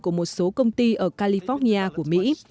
của một số công ty ở california của mỹ